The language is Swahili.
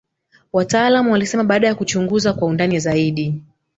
wataalamu walisema baada ya kuchunguza kwa undani zaidi